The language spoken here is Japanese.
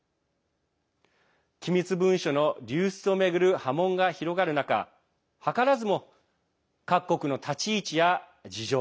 機密文書の流出を巡る波紋が広がる中、図らずも各国の立ち位置や事情